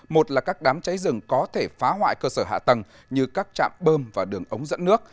một là các đám cháy rừng có thể phá hoại cơ sở hạ tầng như các trạm bơm và đường ống dẫn nước